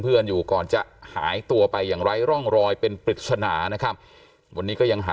เพราะว่าทั่วประเทศเขาก็ดูกัน